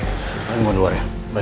irfan mau keluar ya